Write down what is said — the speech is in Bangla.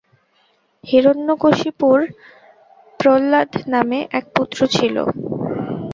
হিরণ্যকশিপুর প্রহ্লাদ নামে এক পুত্র ছিল।